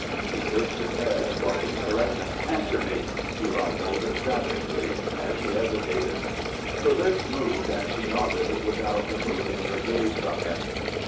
He jerked his head in Barclay's direction. "Answer me!" he rumbled, savagely, as she hesitated. Her lips moved, and she nodded without removing her gaze from him.